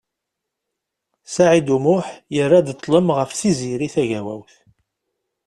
Saɛid U Muḥ yerra-d ṭlem ɣef Tiziri Tagawawt.